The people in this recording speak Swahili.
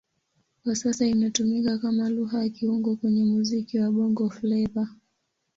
Kwa sasa inatumika kama Lugha ya kiungo kwenye muziki wa Bongo Flava.